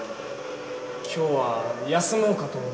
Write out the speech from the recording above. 今日は休もうかと思う。